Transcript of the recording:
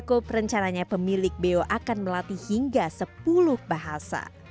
kok perencanaan pemilik beyo akan melatih hingga sepuluh bahasa